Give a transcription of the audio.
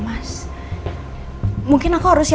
mas ini udah selesai